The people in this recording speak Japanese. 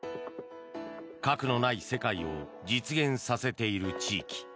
核のない世界を実現させている地域。